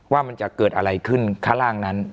ว่ามันจะเกิดอะไรขึ้นข้างล่างนั้น